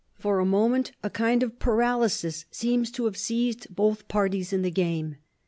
For a moment a kind of paralysis seems to have seized both parties in the game.